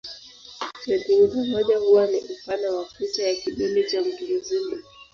Sentimita moja huwa ni upana wa kucha ya kidole cha mtu mzima.